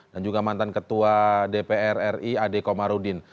dan juga mantan ketua dpr ri ade komarudin